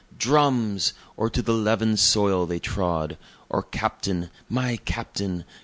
Drums! or To the Leaven'd Soil they Trod, Or Captain! My Captain!